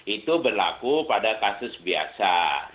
itu berlaku pada kasus biasa